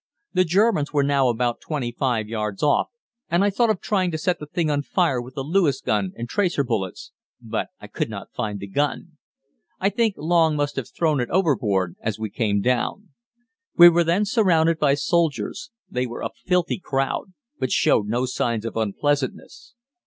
The Germans were now about 25 yards off, and I thought of trying to set the thing on fire with the Lewis gun and tracer bullets, but I could not find the gun. I think Long must have thrown it overboard as we came down. We were then surrounded by soldiers they were a filthy crowd, but showed no signs of unpleasantness.